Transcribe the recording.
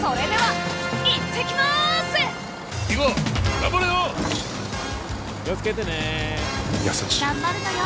頑張るのよ。